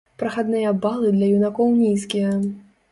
Прахадныя балы для юнакоў нізкія.